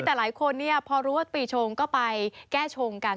แต่หลายคนพอรู้ว่าปีชงก็ไปแก้ชงกัน